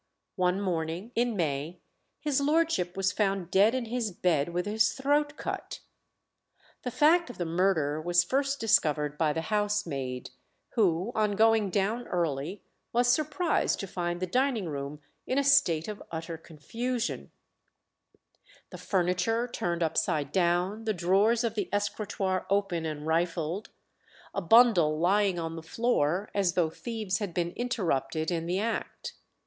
One morning in May his lordship was found dead in his bed with his throat cut. The fact of the murder was first discovered by the housemaid, who, on going down early, was surprised to find the dining room in a state of utter confusion; the furniture turned upside down, the drawers of the escritoire open and rifled, a bundle lying on the floor, as though thieves had been interrupted in the act.